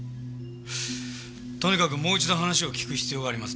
とにかくもう一度話を聞く必要がありますね。